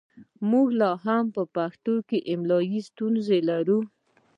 موږ لا هم په پښتو کې املايي ستونزې لرو